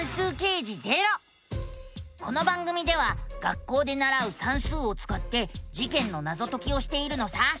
この番組では学校でならう「算数」をつかって事件のナゾ解きをしているのさ。